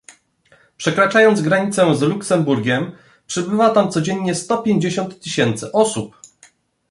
Przekraczając granicę z Luksemburgiem, przybywa tam codziennie sto pięćdziesiąt tysięcy osób